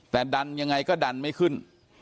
แต่ดันยังไงก็ดันไม่ขึ้น